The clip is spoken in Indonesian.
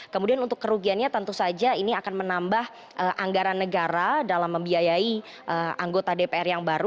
kemudian untuk kerugiannya tentu saja ini akan menambah anggaran negara dalam membiayai anggota dpr yang baru